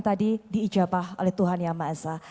sampaikan tadi diijabah oleh tuhan yang maha esa